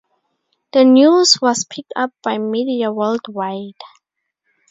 The news was picked up by media worldwide.